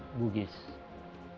itu berasal dari kata bugis